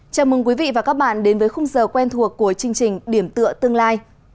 chào mừng quý vị và các bạn đến với khung giờ quen thuộc của chương trình điểm tựa tương lai